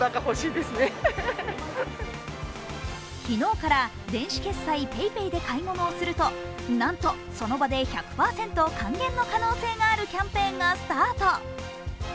昨日から電子決済ＰａｙＰａｙで買い物をするとなんとその場で１００％還元の可能性があるキャンペーンがスタート。